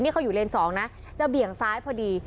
เขาอยู่เลนส์๒นะจะเบี่ยงซ้ายพอดี